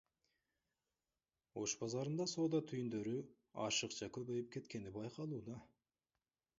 Ош базарында соода түйүндөрү ашыкча көбөйүп кеткени байкалууда.